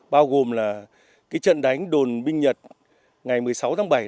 bao gồm là cái trận đánh đồn binh nhật ngày một mươi sáu tháng bảy năm một nghìn chín trăm bốn mươi năm